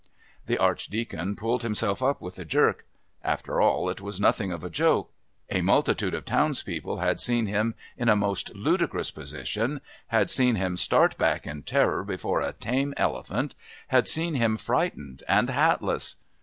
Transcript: The Archdeacon pulled himself up with a jerk. After all, it was nothing of a joke. A multitude of townspeople had seen him in a most ludicrous position, had seen him start back in terror before a tame elephant, had seen him frightened and hatless.